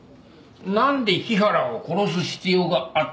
なんで日原を殺す必要があったかだ。